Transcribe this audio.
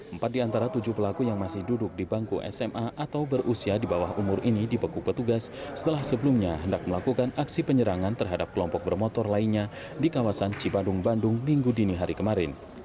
empat di antara tujuh pelaku yang masih duduk di bangku sma atau berusia di bawah umur ini dibeku petugas setelah sebelumnya hendak melakukan aksi penyerangan terhadap kelompok bermotor lainnya di kawasan cipadung bandung minggu dini hari kemarin